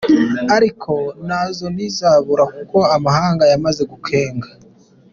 Ariko na zo ntizabura kuko amahanga yamaze gukenga.